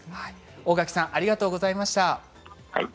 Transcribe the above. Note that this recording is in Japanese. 大垣さんありがとうございました。